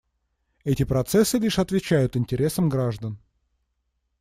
Эти процессы лишь отвечают интересам граждан.